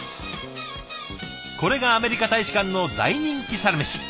これがアメリカ大使館の大人気サラメシ。